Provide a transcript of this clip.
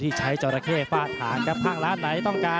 ที่ใช้เจ้าระเข้ฝ่านถังภาคล้านไหนต้องการ